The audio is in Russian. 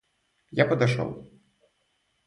Я подошел.